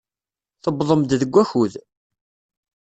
Tewwḍem-d deg wakud.